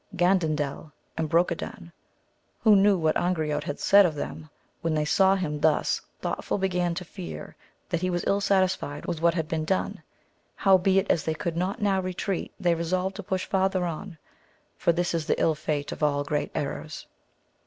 Gandandel and Brocadan, who knew what Angriote had said of them, when they saw him thus thoughtful began to fear that he was ill satisfied with what had been done. Howbeit as they could not now retreat they resolved to push farther on, for this is the ill fate of all great errors.